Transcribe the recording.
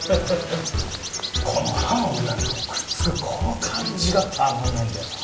この歯の裏にこうくっつくこの感じがたまんないんだよな。